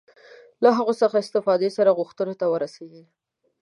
له هغوی څخه استفادې سره غوښتنو ته ورسېږي.